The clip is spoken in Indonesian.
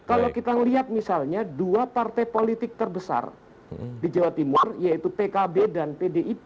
kalau kita lihat misalnya dua partai politik terbesar di jawa timur yaitu pkb dan pdip